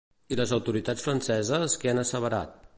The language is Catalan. I les autoritats franceses què han asseverat?